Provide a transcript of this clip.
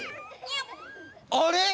「あれ！